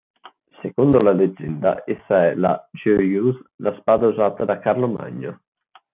Secondo la leggenda essa è la "Joyeuse", la spada usata da Carlo Magno.